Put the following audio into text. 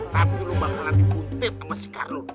tapi lu bakalan diputip sama si karlun